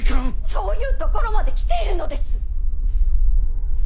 そういうところまで来ているのです！